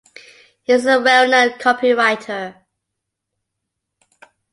He is a well-known copywriter.